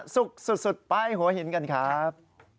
สุขสุดป้ายหัวหินกันครับ